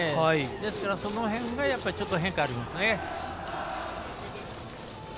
ですからその辺がちょっと変化ありますね。